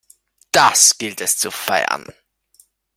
Das gilt es zu feiern!